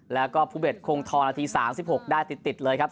แล้วก็ภูเบชคงทอนาทีสามสิบหกได้ติดติดเลยครับ